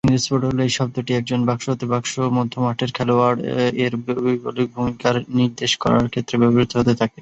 ইংরেজ ফুটবলে, এই শব্দটি একজন "বাক্স-হতে-বাক্স মধ্যমাঠের খেলোয়াড়"-এর বৈকল্পিক ভূমিকার নির্দেশ করা ক্ষেত্রে ব্যবহৃত হতে থাকে।